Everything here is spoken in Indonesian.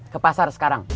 ke pasar sekarang